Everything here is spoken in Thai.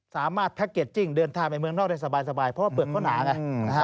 แพ็คเกจจิ้งเดินทางไปเมืองนอกได้สบายเพราะว่าเปลือกเขาหนาไง